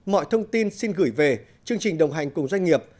mọi thông tin xin gửi về chương trình đồng hành cùng doanh nghiệp